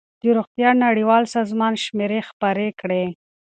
د روغتیا نړیوال سازمان شمېرې خپرې کړې.